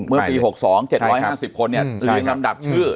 เมื่อปี๖๒๗๕๐คนเรียงลำดับชื่อ